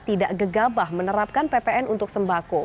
tidak gegabah menerapkan ppn untuk sembako